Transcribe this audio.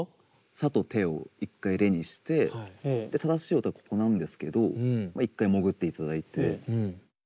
「さ」と「て」を１回レにして正しい音はここなんですけど１回潜っていただいて。